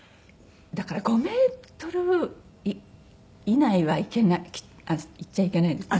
だから５メートル以内は行けない行っちゃいけないんですね。